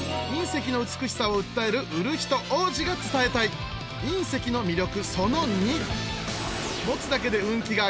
隕石の美しさを訴える売る人王子が伝えたい隕石の魅力